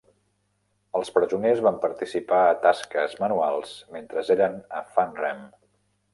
Els presoners van participar a tasques manuals mentre eren a Fannrem.